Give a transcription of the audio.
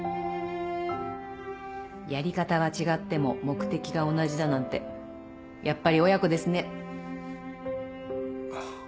やり方は違っても目的が同じだなんてやっぱり親子ですね。